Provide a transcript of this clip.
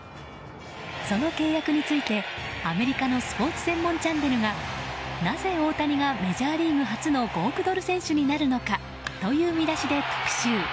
その契約についてアメリカのスポーツ専門チャンネルが「なぜ大谷がメジャーリーグ初の５億ドル選手になるのか」という見出しで特集。